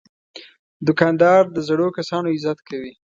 دوکاندار د زړو کسانو عزت کوي.